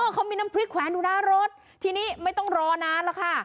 เขามีน้ำพริกแขวนอยู่หน้ารถทีนี้ไม่ต้องรอนานแล้วค่ะ